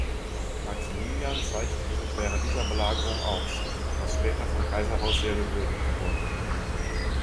Maximilian zeichnete sich während dieser Belagerung aus, was später vom Kaiserhaus sehr gewürdigt wurde.